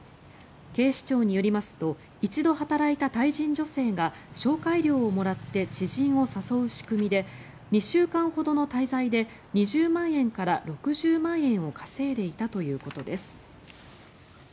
警視庁によりますと一度働いたタイ人女性が紹介料をもらって知人を誘う仕組みで２週間ほどの滞在で２０万円から６０万円を稼いでいたということです。